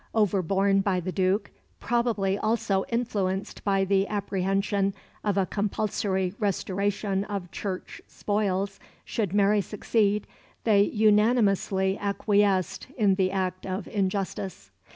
Overborne by the Duke, probably also influenced by the apprehension of a compulsory restoration of Church spoils should Mary succeed, they unanimously acquiesced in the act of injustice.